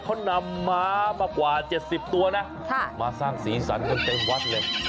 เขานำม้ามากว่า๗๐ตัวนะมาสร้างสีสันกันเต็มวัดเลย